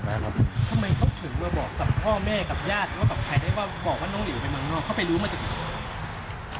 ทำไมเขาถึงมาบอกกับพ่อแม่กับญาติหรือว่ากับใครได้ว่าบอกว่าน้องหลิวไปเมืองนอกเขาไปรู้มาจากไหน